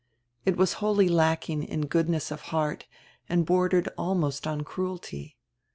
It was wholly lacking in goodness of heart and bordered almost on cruelty.